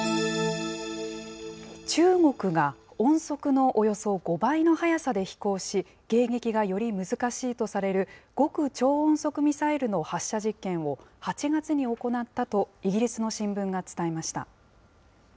中国が、音速のおよそ５倍の速さで飛行し、迎撃がより難しいとされる極超音速ミサイルの発射実験を、８月に行ったと、イギリスの新聞が伝えました。